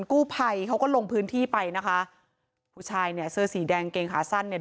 กู้ภัยเขาก็ลงพื้นที่ไปนะคะผู้ชายเนี่ยเสื้อสีแดงเกงขาสั้นเนี่ย